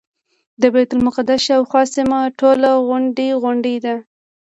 د بیت المقدس شاوخوا سیمه ټوله غونډۍ غونډۍ ده.